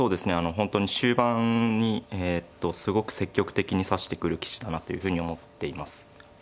本当に終盤にすごく積極的に指してくる棋士だなというふうに思っています。